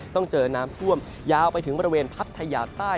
ต้องเจอน้ำท่วมยาวไปถึงบริเวณพัทยาใต้